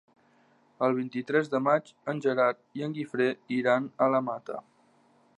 El vint-i-tres de maig en Gerard i en Guifré iran a la Mata.